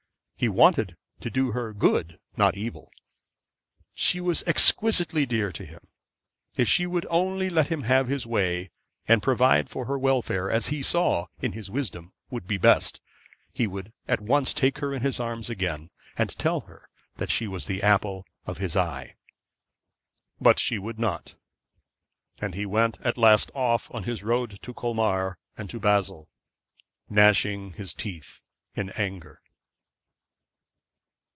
He wanted to do her good, not evil. She was exquisitely dear to him. If she would only let him have his way and provide for her welfare as he saw, in his wisdom, would be best, he would at once take her in his arms again and tell her that she was the apple of his eye. But she would not; and he went at last off on his road to Colmar and Basle, gnashing his teeth in anger.